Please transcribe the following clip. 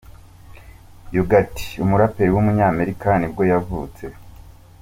Yo Gotti, umuraperi w’umunyamerika nibwo yavutse.